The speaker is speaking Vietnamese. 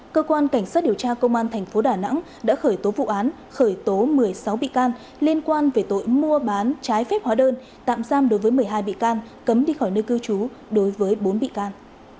cơ quan cảnh sát điều tra công an thành phố đà nẵng đã khởi tố vụ án khởi tố một mươi sáu bị can liên quan về tội mua bán trái phép hóa đơn tạm giam đối với một mươi hai bị can cấm đi khỏi nơi cư trú đối với bốn bị can